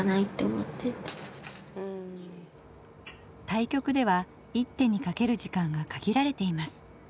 対局では一手にかける時間が限られています。